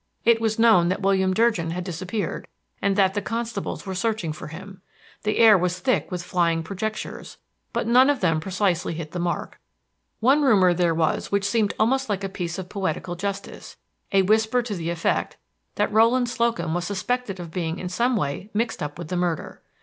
It was known that William Durgin had disappeared, and that the constables were searching for him. The air was thick with flying projectures, but none of them precisely hit the mark. One rumor there was which seemed almost like a piece of poetical justice, a whisper to the effect that Rowland Slocum was suspected of being in some way mixed up with the murder.